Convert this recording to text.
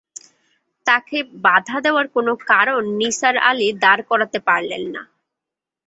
তাকে বাধা দেওয়ার কোনো কারণ নিসার আলি দাঁড় করাতে পারলেন না।